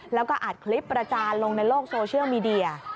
แล้วก็อัดคลิปประจานลงในโลกโซเชียลมีเดีย